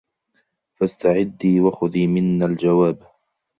فاستعدي وخذي منا الجواب